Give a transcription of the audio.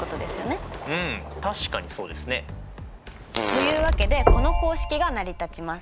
うん確かにそうですね。というわけでこの公式が成り立ちます。